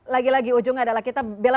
lagi lagi ujungnya adalah kita bela